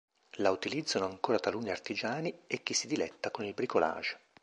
La utilizzano ancora taluni artigiani e chi si diletta con il bricolage.